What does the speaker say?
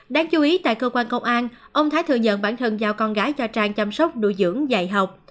đáng chú ý tại cơ quan công an ông thái thừa nhận bản thân giao con gái cho trang chăm sóc nuôi dưỡng dạy học